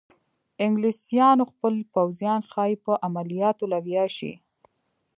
انګلیسیانو خپل پوځیان ښایي په عملیاتو لګیا شي.